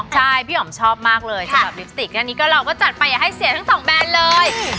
ใช่พี่อ๋อมชอบมากเลยสำหรับลิปสติกแค่นี้ก็เราก็จัดไปอย่าให้เสียทั้งสองแบรนด์เลย